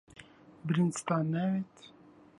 برنجتان ناوێت؟